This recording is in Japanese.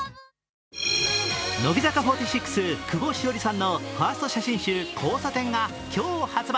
乃木坂４６久保史緒里さんのファースト写真集「交差点」が今日発売。